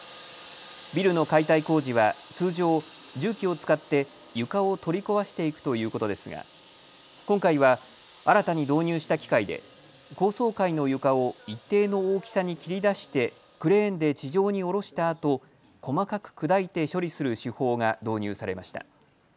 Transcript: ビルの解体工事は通常、重機を使って床を取り壊していくということですが今回は新たに導入した機械で高層階の床を一定の大きさに切り出してクレーンで地上に降ろしたあと細かく砕いて処理する手法が導入されました。